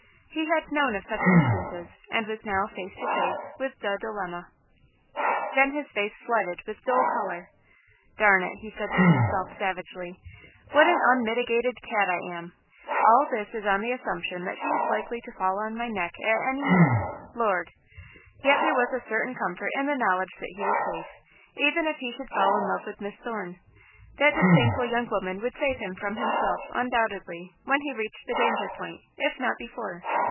He had known of such instances and was now face to face with the dilemma. Then his face flooded with dull colour. "Darn it," he said to himself, savagely, "what an unmitigated cad I am! All this is on the assumption that she's likely to fall on my neck at any minute! Lord!" Yet there was a certain comfort in the knowledge that he was safe, even if he should fall in love with Miss Thorne. That disdainful young woman would save him from himself, undoubtedly, when he reached the danger point, if not before.